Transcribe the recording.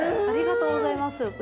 ありがとうございます。